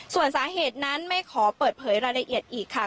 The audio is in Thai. ส่วนสาเหตุนั้นไม่ขอเปิดเผยรายละเอียดอีกค่ะ